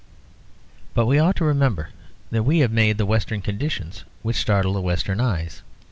But we ought to remember that we have made the Western conditions which startle the Western eyes.